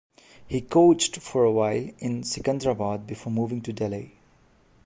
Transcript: He coached for a while in Secunderabad before moving to Delhi.